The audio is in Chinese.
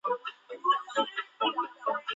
瓦勒海姆。